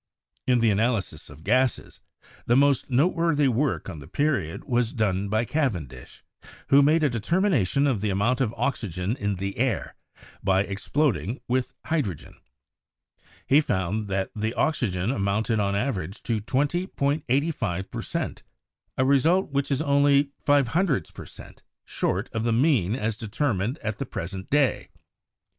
In the analysis of gases, the most noteworthy work of the period was done by Cavendish, who made a determina tion of the amount of oxygen in the air by exploding with hydrogen. He found that the oxygen amounted on the average to 20.85 per cent., a result which is only 0.05 per cent, short of the mean as determined at the present day.